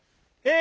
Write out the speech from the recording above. え